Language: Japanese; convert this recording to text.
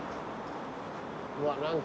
うわ何か。